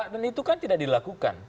dan itu kan tidak dilakukan